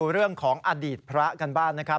เรื่องของอดีตพระกันบ้างนะครับ